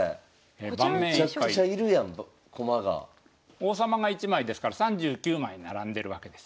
王様が１枚ですから３９枚並んでるわけです。